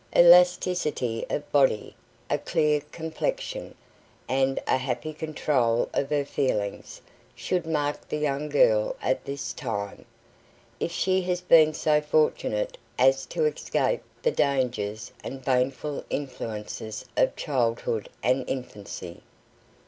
Elasticity of body, a clear complexion, and a happy control of her feelings should mark the young girl at this time, if she has been so fortunate as to escape the dangers and baneful influences of childhood and infancy.